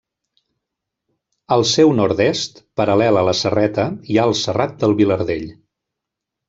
Al seu nord-est, paral·lel a la Serreta hi ha el Serrat del Vilardell.